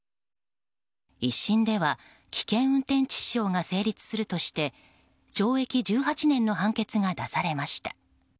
１審では危険運転致死傷が成立するとして懲役１８年の判決が出されました。